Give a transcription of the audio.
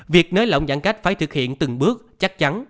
việc nới lỏng giãn cách phải thực hiện từng bước chắc chắn